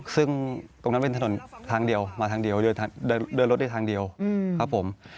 ซึ่งตรงนั้นเป็นถนนทางเดียวมาทางเดียวเดินรถได้ทางเดียวครับผม